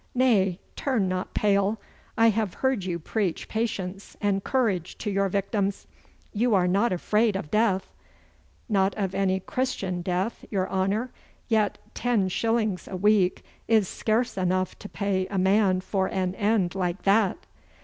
Nay, turn not pale! I have heard you preach patience and courage to your victims. You are not afraid of death?' 'Not of any Christian death, your Honour. Yet, ten shillings a week is scarce enough to pay a man for an end like that!